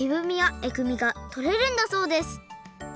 えぐみがとれるんだそうです